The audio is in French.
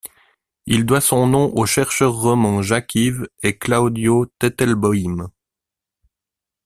Il doit son nom aux chercheurs Roman Jackiw et Claudio Teitelboim.